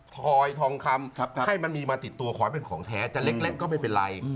ถอยทองคำให้มันมีมาติดตัวขอให้เป็นของแท้จะเล็กก็ไม่เป็นไร